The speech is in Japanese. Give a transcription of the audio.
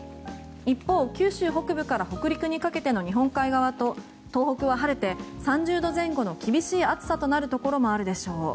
一方、九州北部から北陸にかけての日本海側と東北は晴れて３０度前後の厳しい暑さとなるところもあるでしょう。